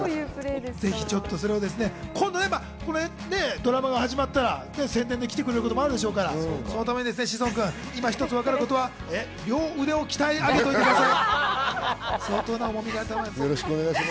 ドラマが始まったら宣伝で来てくれることもありそうですから、そのために志尊君、一つ分かることは両腕を鍛え上げておいてください。